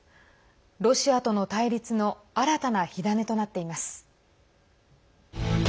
ロシアとの対立の新たな火種となっています。